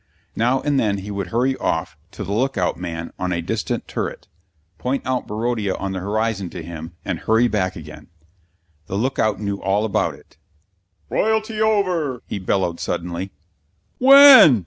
Now and then he would hurry off to the look out man on a distant turret, point out Barodia on the horizon to him, and hurry back again. The look out knew all about it. "Royalty over," he bellowed suddenly. "When!"